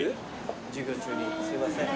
授業中にすいません。